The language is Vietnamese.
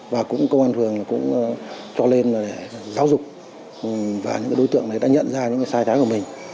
và cũng công an phường cũng cho lên là để giáo dục và những đối tượng này đã nhận ra những sai trái của mình